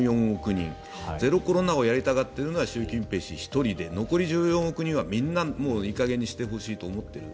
人ゼロコロナをやりたがっているのは習近平氏１人で残り１４億人はみんないい加減にしてほしいと思っている。